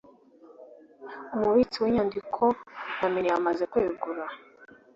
Umubitsi w Inyandikompamo na Mine yamaze kwegura